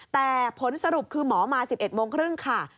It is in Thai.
แต่ผลสรุปคือหมอมา๑๑โมงครึ่งค่ะ